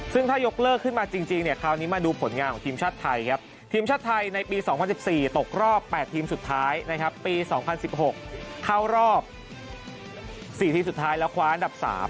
ซึ่งถ้ายกเลิกขึ้นมาจริงเนี่ยคราวนี้มาดูผลงานของทีมชาติไทยครับทีมชาติไทยในปี๒๐๑๔ตกรอบ๘ทีมสุดท้ายนะครับปี๒๐๑๖เข้ารอบ๔ทีมสุดท้ายแล้วคว้าอันดับ๓